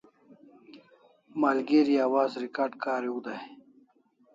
Malgeri awaz recard kariu dai